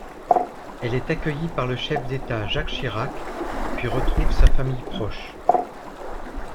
Elle est accueillie par le chef d'État Jacques Chirac puis retrouve sa famille proche.